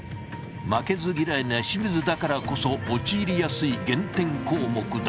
負けず嫌いな清水だからこそ陥りやすい減点項目だ。